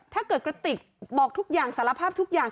กระติกบอกทุกอย่างสารภาพทุกอย่าง